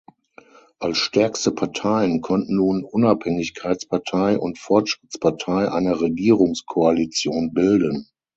Als stärkste Parteien konnten nun Unabhängigkeitspartei und Fortschrittspartei eine Regierungskoalition bilden.